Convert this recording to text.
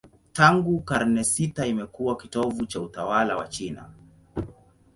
Tangu karne sita imekuwa kitovu cha utawala wa China.